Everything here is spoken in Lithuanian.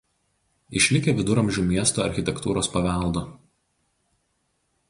Išlikę viduramžių miesto architektūros paveldo.